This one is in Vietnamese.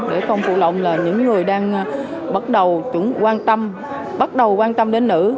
để không phụ lộn những người đang bắt đầu quan tâm đến nữ